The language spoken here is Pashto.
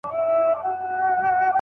په املا پوري تړلې ده.